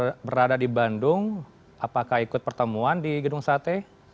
anda berada di bandung apakah ikut pertemuan di gedung sate